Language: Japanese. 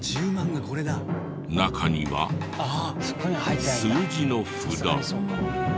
中には数字の札。